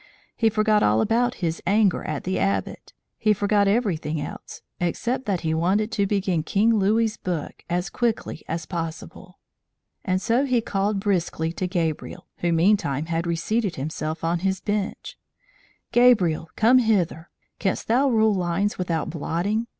He forgot all about his anger at the Abbot; he forgot everything else, except that he wanted to begin King Louis's book as quickly as possible! And so he called briskly to Gabriel, who meantime had reseated himself on his bench: "Gabriel, come hither! Canst thou rule lines without blotting?